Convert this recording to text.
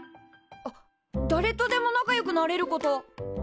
あっだれとでも仲良くなれること。